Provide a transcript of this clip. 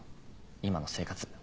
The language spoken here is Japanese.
今の生活。